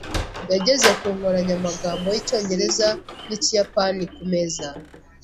Yageze ku nkoranyamagambo y'Icyongereza n'Ikiyapani ku meza.